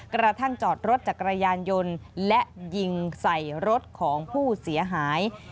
กระทั่งจอดรถจักรยานยนต์และยิงใส่รถของผู้เสียหาย